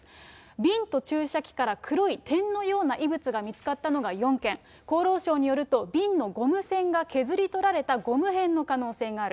瓶と注射器から黒い点のような異物が見つかったのが４件、厚労省によると、瓶のゴム栓が削り取られたゴム片の可能性がある。